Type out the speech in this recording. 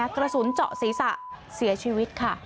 กระสุนเจาะศีรษะเสียชีวิตค่ะ